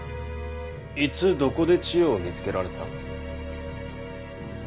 いつどこで千代を見つけられた？